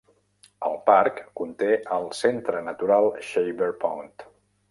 El parc conté el centre natural Shaver Pond.